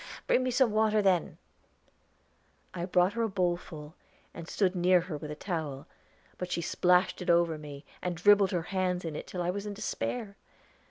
"Bring me some water, then." I brought her a bowl full, and stood near her with a towel; but she splashed it over me, and dribbled her hands in it till I was in despair.